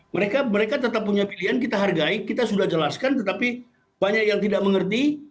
mereka tetap punya pilihan kita hargai kita sudah jelaskan tetapi banyak yang tidak mengerti